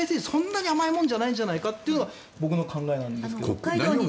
そんなに甘いものじゃないんじゃないかというのが僕の考えなんですが。